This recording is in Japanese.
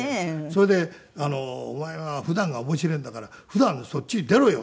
それで「お前は普段が面白えんだから普段そっちに出ろよ」